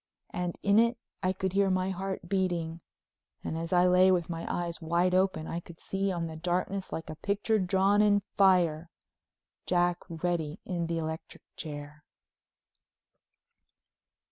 And in it I could hear my heart beating, and as I lay with my eyes wide open, I could see on the darkness like a picture drawn in fire, Jack Reddy in the electric chair.